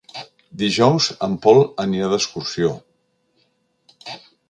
Dijous en Pol anirà d'excursió.